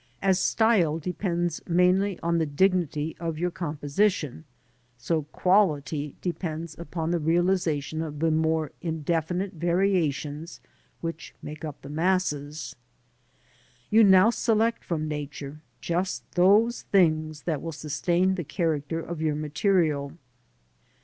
As style depends mainly on the dignity of your composition, so quality depends upon the realisation of the more indefinite variations which make up the masses. You now select from Nature just those things that will sustain the character of your material.